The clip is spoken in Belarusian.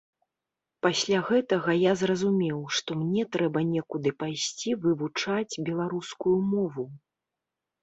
Пасля гэтага я зразумеў, што мне трэба некуды пайсці вывучаць беларускую мову.